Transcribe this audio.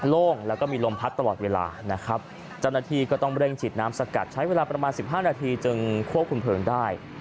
โล่งแล้วก็มีลมพัดตลอดเวลานะครับเจ้าหน้าที่ก็ต้องเร่งฉีดน้ำสกัดใช้เวลาประมาณสิบห้านาทีจึงควบคุมเพลิงได้